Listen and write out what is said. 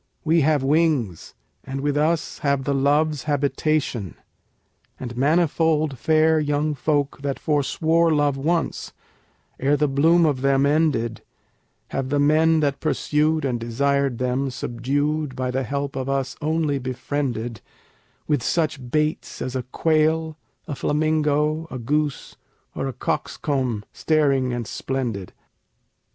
We have wings, and with us have the Loves habitation; And manifold fair young folk that forswore love once, ere the bloom of them ended, Have the men that pursued and desired them subdued by the help of us only befriended, With such baits as a quail, a flamingo, a goose, or a cock's comb staring and splendid.